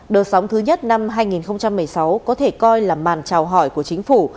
đợt sóng thứ nhất năm hai nghìn một mươi sáu có thể coi là màn trào hỏi của chính phủ